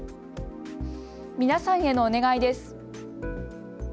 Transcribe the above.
皆さんへのお願いです。